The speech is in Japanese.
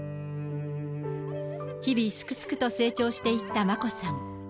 日々すくすくと成長していった眞子さん。